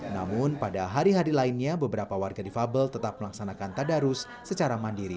namun pada hari hari lainnya beberapa warga difabel tetap melaksanakan tadarus secara mandiri